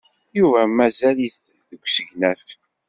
Yuba mazal-it deg usegnaf.